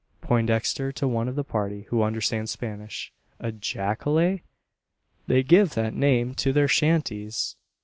Poindexter to one of the party, who understands Spanish: "A jacale?" "They give that name to their shanties."